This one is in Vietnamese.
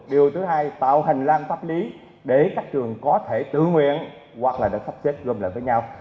điều thứ hai tạo hành lang pháp lý để các trường có thể tự nguyện hoặc là được phát triển gồm lại với nhau